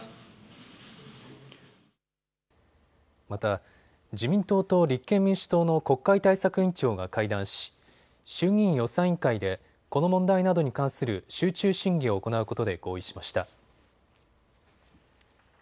また、自民党と立憲民主党の国会対策委員長が会談し衆議院予算委員会でこの問題などに関する集中審議を行うことで合意しました。